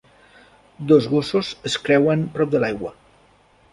Dos gossos es creuen prop de l'aigua.